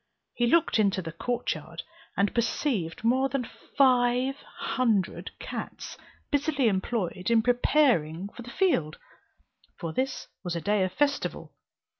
He looked into the court yard, and perceived more than five hundred cats, busily employed in preparing for the field, for this was a day of festival.